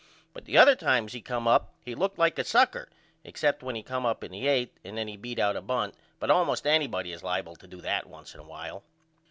But the other times he come up he looked like a sucker except when he come up in the 8th and then he beat out a bunt but allmost anybody is liable to do that once in a while.